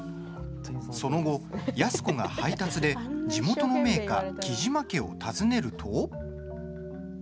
その後、安子が配達で地元の名家、雉真家を訪ねると。